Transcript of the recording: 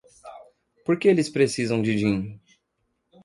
Por que eles precisam de gin?